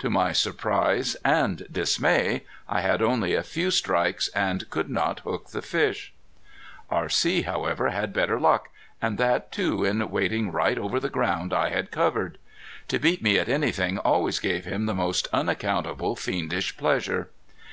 To my surprise and dismay I had only a few strikes and could not hook the fish. R.C., however, had better luck, and that too in wading right over the ground I had covered. To beat me at anything always gave him the most unaccountable fiendish pleasure.